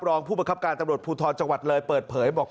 รองผู้ประคับการตำรวจภูทรจังหวัดเลยเปิดเผยบอก